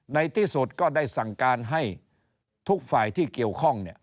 ในที่สุดก็ได้สั่งการให้ทุกฝ่ายที่เกี่ยวข้องเนี่ย